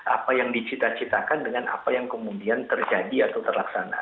apa yang dicita citakan dengan apa yang kemudian terjadi atau terlaksana